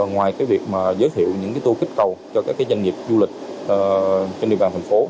ngoài việc giới thiệu những tour kích cầu cho các doanh nghiệp du lịch trên địa bàn thành phố